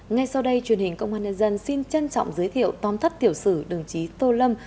ngay sau đây truyền hình công an nhân dân xin trân trọng giới thiệu tóm tắt tiểu sử đồng chí tô lâm